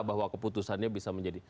bahwa keputusannya bisa menjadi